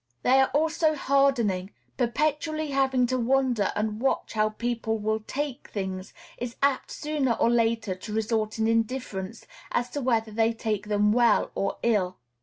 They are also hardening; perpetually having to wonder and watch how people will "take" things is apt sooner or later to result in indifference as to whether they take them well or ill.